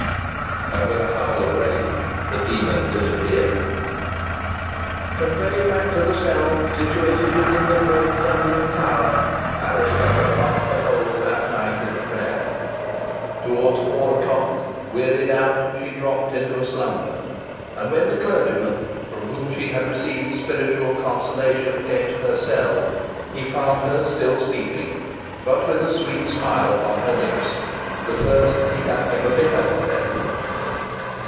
And with a howl of rage the demon disappeared. Conveyed back to her cell, situated within the dread Dungeon Tower, Alice Nutter passed the whole of that night in prayer. Towards four o'clock, wearied out, she dropped into a slumber; and when the clergyman, from whom she had received spiritual consolation, came to her cell, he found her still sleeping, but with a sweet smile upon her lips the first he had ever beheld there.